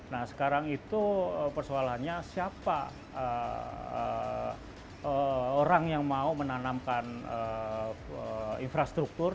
nah sekarang itu persoalannya siapa orang yang mau menanamkan infrastruktur